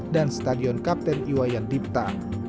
dan stadion kapten iwayan dipta